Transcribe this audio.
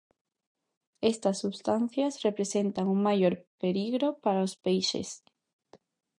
Estas substancias representan un maior perigo para os peixes.